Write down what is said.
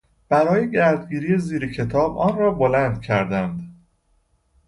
برای گردگیری زیر کتاب آن را بلند کردن